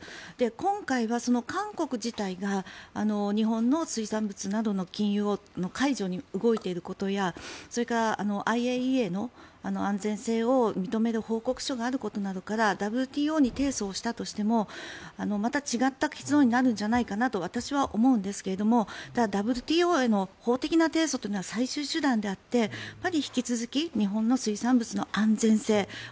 今回はその韓国自体が日本の水産物などの禁輸の解除に動いていることやＩＡＥＡの安全性を認める報告書などがあることからＷＴＯに提訴をしたとしてもまた違った結論になるんじゃないかなと私は思うんですけれどもただ、ＷＴＯへの法的な提訴というのは「パーフェクトスティック」は。